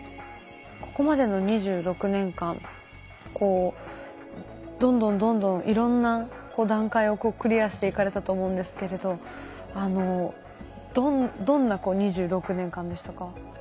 ここまでの２６年間どんどんどんどんいろんな段階をクリアしていかれたと思うんですけれどどんな２６年間でしたか？